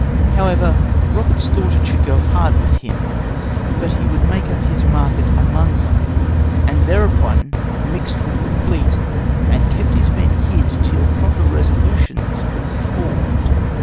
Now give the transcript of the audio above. However, Roberts thought it should go hard with him, but he would make up his market among them, and thereupon mixed with the fleet, and kept his men hid till proper resolutions could be formed.